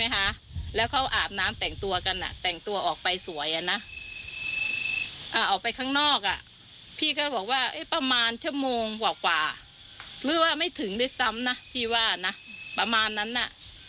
หรือว่าไม่ถึงได้ซ้ำนะพี่ว่านะประมาณนั้นน่ะ